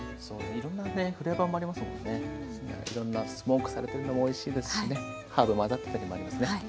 いろんなスモークされてるのもおいしいですしねハーブ混ざってたりもありますね。